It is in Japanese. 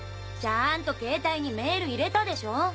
ちゃんと携帯にメール入れたでしょ？